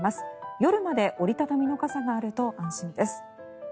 夜まで折り畳みの傘があると安心です。